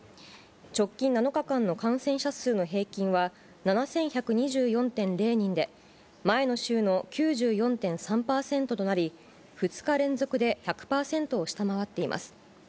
直近７日間の感染者数の平均は７１２４．０人で、前の週の９４．３％となり、２日連続で１００％を下回っています。